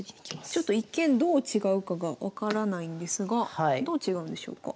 ちょっと一見どう違うかが分からないんですがどう違うんでしょうか。